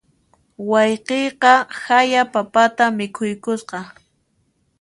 Wayqiyqa haya papata mikhuykusqa.